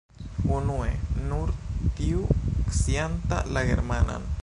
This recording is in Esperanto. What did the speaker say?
Unue, nur tiu scianta la germanan.